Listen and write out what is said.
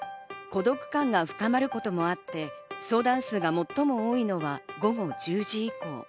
孤独感が深まることもあって、相談数が最も多いのは午後１０時以降。